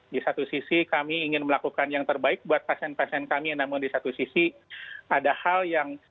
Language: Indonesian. di satu sisi kami ingin melakukan yang terbaik buat pasien pasien kami namun di satu sisi ada hal yang